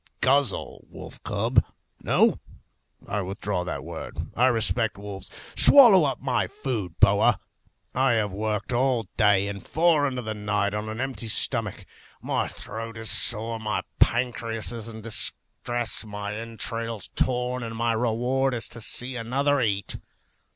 Guzzle, wolf cub; no, I withdraw that word. I respect wolves. Swallow up my food, boa. I have worked all day, and far into the night, on an empty stomach; my throat is sore, my pancreas in distress, my entrails torn; and my reward is to see another eat.